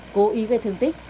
cố ý gây thương tích